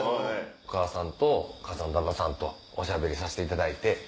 お母さんとお母さんの旦那さんとお喋りさせていただいて。